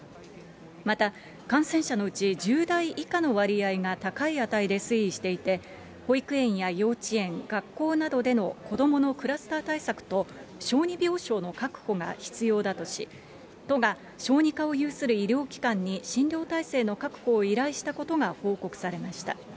また、感染者のうち、１０代以下の割合が高い値で推移していて、保育園や幼稚園、学校などでの子どものクラスター対策と、小児病床の確保が必要だとし、都が小児科を有する医療機関に診療体制の確保を依頼したことが報告されました。